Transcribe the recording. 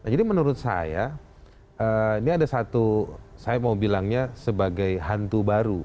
jadi menurut saya ini ada satu saya mau bilangnya sebagai hantu baru